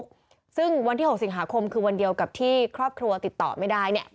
ซึ่งวันที่๖สิงหาคมคือวันเดียวกับที่ครอบครัวติดต่อไม่ได้เนี่ย